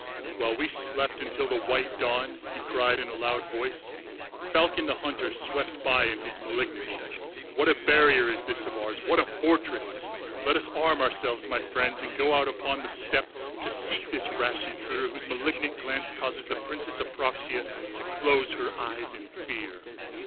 "While we slept until the white dawn," he cried in a loud voice, "Falcon the Hunter swept by in his malignity. What a barrier is this of ours! What a fortress! Let us arm ourselves, my friends, and go out upon the steppe to seek this rash intruder whose malignant glance causes the Princess Apraxia to close her eyes in fear."